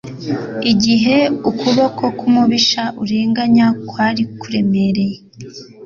Igihe ukuboko k'umubisha urenganya kwari kuremereye,